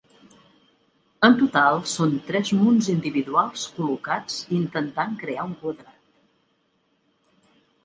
En total són tres munts individuals col·locats intentant crear un quadrat.